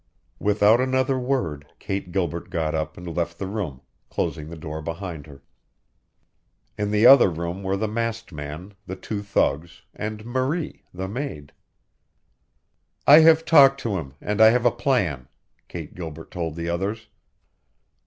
Without another word, Kate Gilbert got up and left the room, closing the door behind her. In the other room were the masked man, the two thugs, and Marie, the maid. "I have talked to him, and I have a plan," Kate Gilbert told the others.